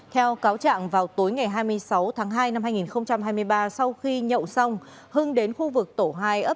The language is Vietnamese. theo cáo trạng vào tối ngày hai mươi sáu tháng hai năm hai nghìn hai mươi ba sau khi nhậu xong hưng đến khu vực tổ hai